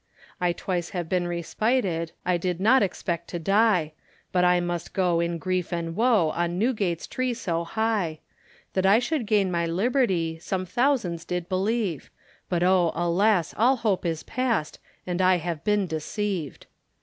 I twice have been respited, I did not expect to die, But I must go in grief and woe, On Newgate's tree so high; That I should gain my liberty, Some thousands did believe, But, oh, alas! all hope is passed. And I have been deceived.